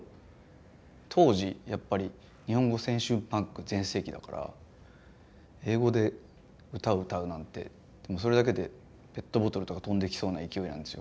当時やっぱり日本語青春パンク全盛期だから英語で歌歌うなんてそれだけでペットボトルとか飛んできそうな勢いなんですよ